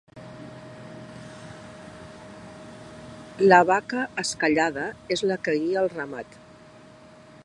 La vaca esquellada és la que guia el ramat.